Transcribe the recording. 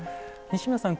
西村さん